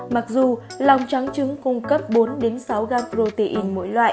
mặc dù lòng trắng trứng cung cấp bốn sáu g protein